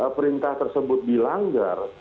perintah tersebut dilanggar